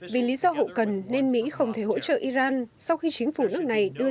vì lý do hậu cần nên mỹ không thể hỗ trợ iran sau khi chính phủ nước này đưa ra